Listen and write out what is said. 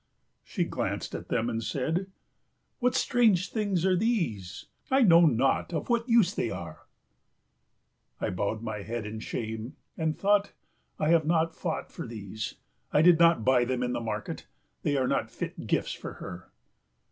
She glanced at them and said, "What strange things are these? I know not of what use they are!" I bowed my head in shame and thought, "I have not fought for these, I did not buy them in the market; they are not fit gifts for her."